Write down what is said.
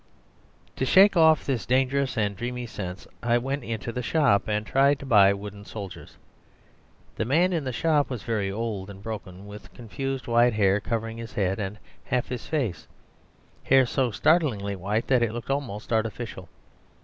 To shake off this dangerous and dreamy sense I went into the shop and tried to buy wooden soldiers. The man in the shop was very old and broken, with confused white hair covering his head and half his face, hair so startlingly white that it looked almost artificial.